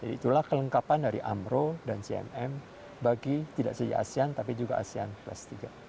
itulah kelengkapan dari amro dan cmm bagi tidak saja asean tapi juga asean plus tiga